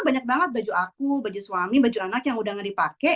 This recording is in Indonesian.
banyak banget baju aku baju suami baju anak yang udah gak dipakai